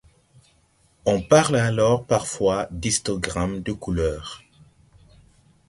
On parle alors parfois d'histogramme de couleur.